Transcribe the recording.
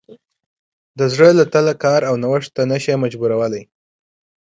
د زړه له تله کار او نوښت ته نه شي مجبورولی.